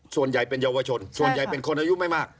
ส่วนใหญ่เป็นเยาวชนส่วนใหญ่เป็นคนอายุไม่มาก